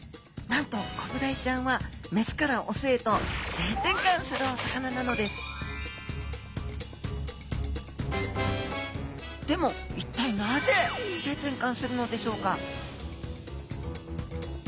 なんとコブダイちゃんはメスからオスへと性転換するお魚なのですでも一体なぜ性転換するのでしょうか？